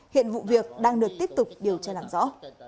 hiện vụ việc đang được tiếp tục điều tra làm rõ